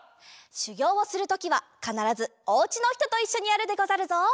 しゅぎょうをするときはかならずおうちのひとといっしょにやるでござるぞ。